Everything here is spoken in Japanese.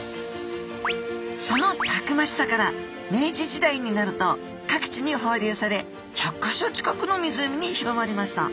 そのたくましさから明治時代になると各地に放流され１００か所近くの湖に広まりました。